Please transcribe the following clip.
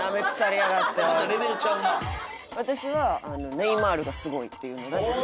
私はネイマールがすごいっていうのだけ知ってる。